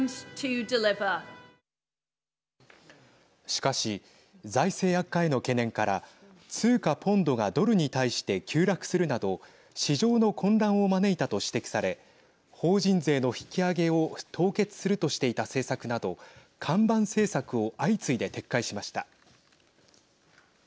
しかし財政悪化への懸念から通貨ポンドがドルに対して急落するなど市場の混乱を招いたと指摘され法人税の引き上げを凍結するとしていた政策など看板政策を相次いで撤回しました。